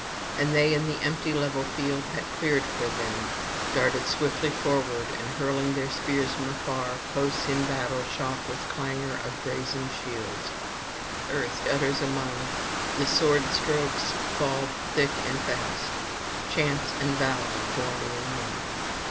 And they, in the empty level field that cleared for them, darted swiftly forward, and hurling their spears from far, close in battle shock with clangour of brazen shields. Earth utters a moan; the sword strokes fall thick and fast, chance and valour joining in one.